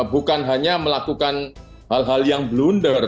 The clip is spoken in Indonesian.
bukan hanya melakukan hal hal yang blunder